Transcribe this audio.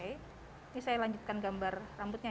ini saya lanjutkan gambar rambutnya